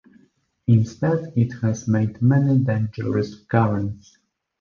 Instead it has made many dangerous currents.